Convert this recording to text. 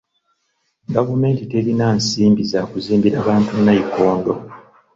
Gavumenti terina nsimbi za kuzimbira bantu nayikondo.